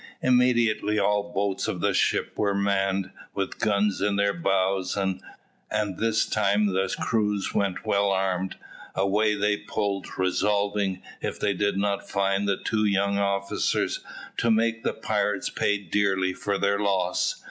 Immediately all the boats of the ship were manned, with guns in their bows, and this time the crews went well armed. Away they pulled, resolving, if they did not find the two young officers, to make the pirates pay dearly for their loss.